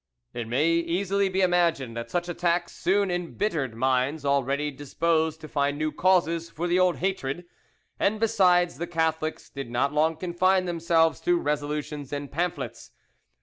It may easily be imagined that such attacks soon embittered minds already disposed to find new causes for the old hatred, and besides the Catholics did not long confine themselves to resolutions and pamphlets.